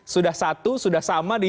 sudah satu sudah sama